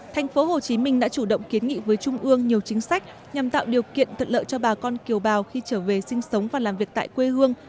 tp hcm đã chủ động kiến nghị với trung ương nhiều chính sách nhằm tạo điều kiện thật lợi cho bà con kiều bào khi trở về sinh sống và làm việc tại quê hương